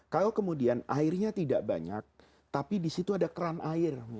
kalau kemudian airnya tidak banyak tapi di situ ada keran air